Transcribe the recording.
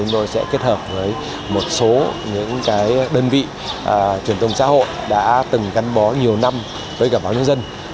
với một số những đơn vị truyền thông xã hội đã từng gắn bó nhiều năm với cả báo nhân dân